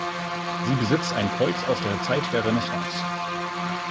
Sie besitzt ein Kreuz aus der Zeit der Renaissance.